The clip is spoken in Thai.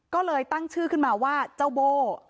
ก็เลยตั้งชื่อขึ้นมาว่าเจ้าโบ้